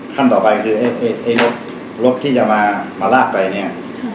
ขั้นต่อไปคือไอ้รถรถที่จะมาลากไปเนี่ย